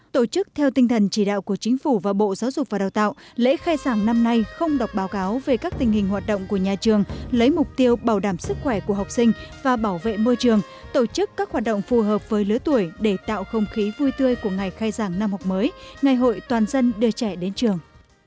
tổ chức theo tinh thần chỉ đạo của chính phủ và bộ giáo dục và đào tạo lễ khai giảng năm nay không đọc báo cáo về các tình hình hoạt động của nhà trường lấy mục tiêu bảo đảm sức khỏe của học sinh và bảo vệ môi trường tổ chức các hoạt động phù hợp với lứa tuổi để tạo không khí vui tươi của ngày khai giảng năm học mới ngày hội toàn dân đưa trẻ đến trường